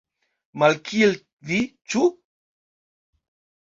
Malkiel vi, ĉu?